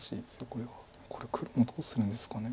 これ黒もどうするんですかね。